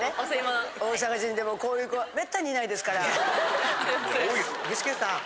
大阪人でも、こういう子、めったにいないですから。